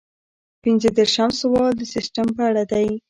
پنځه دېرشم سوال د سیسټم په اړه دی.